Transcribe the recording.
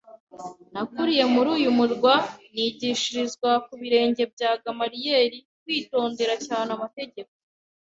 nakuriye muri uyu murwa, nigishirizwa ku birenge bya Gamariyeri kwitondera cyane amategeko